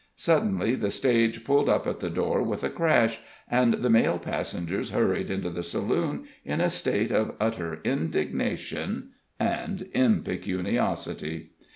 Suddenly the stage pulled up at the door with a crash, and the male passengers hurried into the saloon, in a state of utter indignation and impecuniosity.